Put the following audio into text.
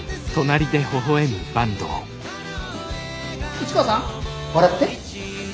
市川さん笑って。